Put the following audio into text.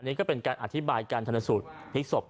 อันนี้ก็เป็นการอธิบายการธนสูตรศพ